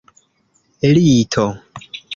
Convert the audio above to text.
lito